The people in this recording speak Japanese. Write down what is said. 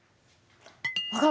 分かった。